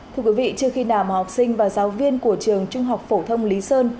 trước khi nàm học sinh và giáo viên của trường trung học phổ thông lý sơn